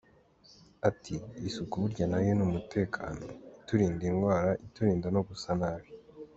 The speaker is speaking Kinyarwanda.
Ati “Isuku burya na yo ni umutekano, iturinda indwara, iturinda no gusa nabi.